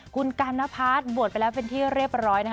คุณกันนพัฒน์บวชไปแล้วเป็นที่เรียบร้อยนะคะ